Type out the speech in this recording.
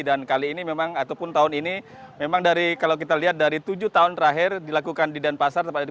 dan kali ini memang ataupun tahun ini memang dari kalau kita lihat dari tujuh tahun terakhir dilakukan di danpasar